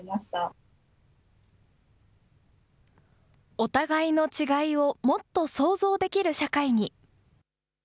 お互いの違いをもっと想像できる社会に。